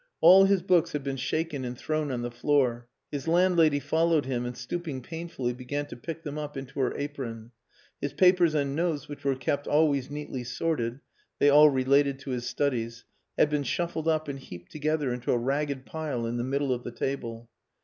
All his books had been shaken and thrown on the floor. His landlady followed him, and stooping painfully began to pick them up into her apron. His papers and notes which were kept always neatly sorted (they all related to his studies) had been shuffled up and heaped together into a ragged pile in the middle of the table.